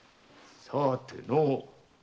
さあてのう？